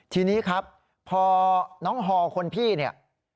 ทีนี้ครับเพราะน้องฮรคนพี่